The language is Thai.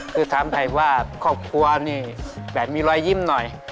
คือถามไทยว่าครอบครัวนี่แบบมีรอยยิ้มหน่อย